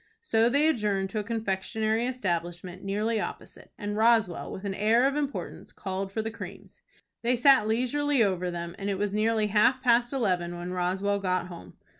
So they adjourned to a confectionery establishment nearly opposite, and Roswell, with an air of importance, called for the creams. They sat leisurely over them, and it was nearly half past eleven when Roswell got home.